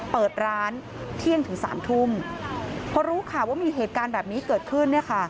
เปิดร้านเที่ยงถึง๓ทุ่มเพราะรู้ค่ะว่ามีเหตุการณ์แบบนี้เกิดขึ้น